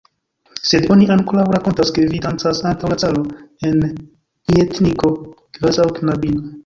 Sed oni ankaŭ rakontas, ke vi dancas antaŭ la caro en ljetniko kvazaŭ knabino!